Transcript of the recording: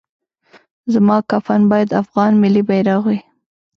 زما کفن باید افغان ملي بیرغ وي